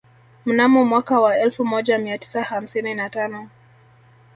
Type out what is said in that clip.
Mnamo mwaka wa elfu moja mia tisa hamsini na tano